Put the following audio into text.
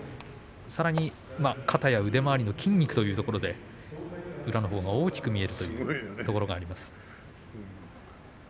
肩や腕周りの筋肉というところで宇良のほうが大きく見えるというところがあります。